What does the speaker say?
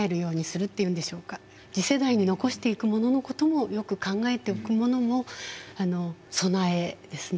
次世代に残していくもののこともよく考えておくのも備えですね。